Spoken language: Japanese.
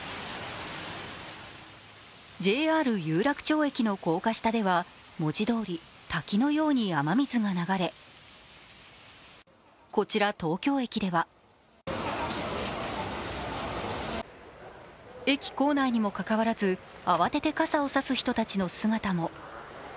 ＪＲ有楽町駅の高架下では文字どおり滝のように雨水が流れこちら東京駅では駅構内にもかかわらず、慌てて傘を差す人たちの姿も。